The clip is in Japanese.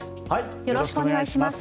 よろしくお願いします。